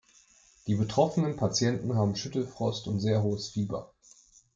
Die betroffenen Patienten haben Schüttelfrost und sehr hohes Fieber.